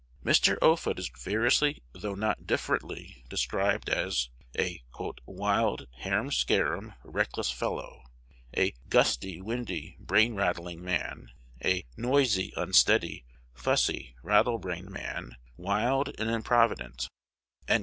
Mr. Offutt is variously, though not differently, described as a "wild, harum scarum, reckless fellow;" a "gusty, windy, brain rattling man;" a "noisy, unsteady, fussy, rattlebrained man, wild and improvident."